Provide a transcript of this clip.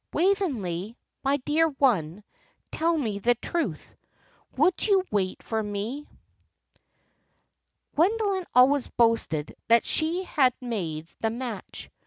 "Waveney, my dear one, tell me the truth. Would you wait for me?" Gwendoline always boasted that she had made the match.